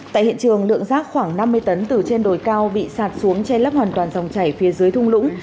tại hiện trường lượng rác khoảng năm mươi tấn từ trên đồi cao bị sạt xuống che lấp hoàn toàn dòng chảy phía dưới thung lũng